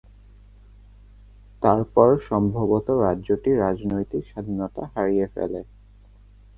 তারপর সম্ভবত রাজ্যটি রাজনৈতিক স্বাধীনতা হারিয়ে ফেলে।